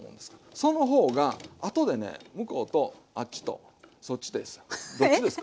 その方があとでね向こうとあっちとそっちですよ。